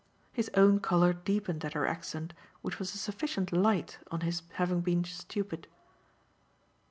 His own colour deepened at her accent, which was a sufficient light on his having been stupid.